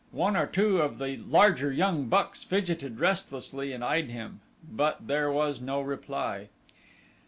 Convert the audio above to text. One or two of the larger young bucks fidgeted restlessly and eyed him; but there was no reply.